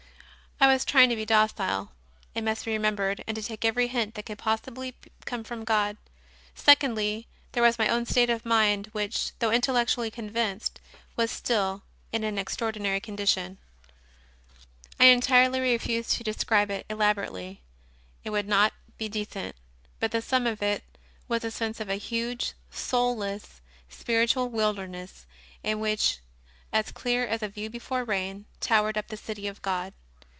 I was trying to be docile, it must be remem bered, and to take every hint that could possibly come from God. Secondly, there was my own state of mind, which, though intellectually convinced, was still in an extraordinary condition. I entirely refuse to describe it elaborately it would not be decent; but the sum of it was a sense of a huge, 126 CONFESSIONS OF A CONVERT soulless, spiritual wilderness, in which, as clear as a view before rain, towered up the City of God.